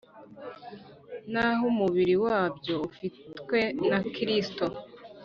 naho umubiri wabyo ufitwe na Kristo